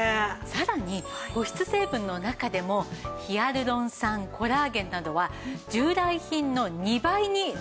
さらに保湿成分の中でもヒアルロン酸コラーゲンなどは従来品の２倍に増量しています。